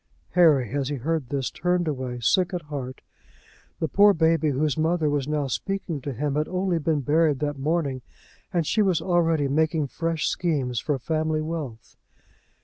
Harry, as he heard this, turned away, sick at heart. The poor baby whose mother was now speaking to him had only been buried that morning, and she was already making fresh schemes for family wealth.